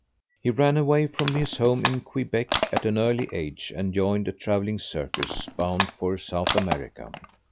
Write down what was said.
He ran away from his home in Quebec at an early age, and joined a travelling circus bound for South America.